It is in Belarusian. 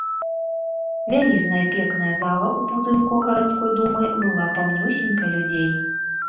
Вялізная пекная зала ў будынку гарадской думы была паўнюсенька людзей.